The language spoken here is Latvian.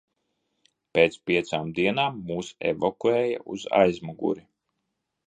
Pēc piecām dienām mūs evakuēja uz aizmuguri.